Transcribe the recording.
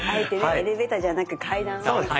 エレベーターじゃなく階段でね。